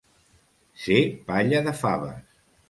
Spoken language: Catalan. Ser palla de faves.